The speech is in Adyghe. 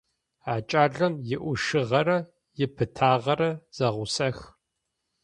А кӏалэм иӏушыгъэрэ ипытагъэрэ зэгъусэх.